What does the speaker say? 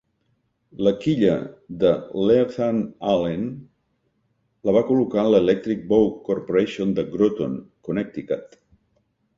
La quilla de l'"Ethan Allen" la va col·locar l'Electric Boat Corporation de Groton, Connecticut.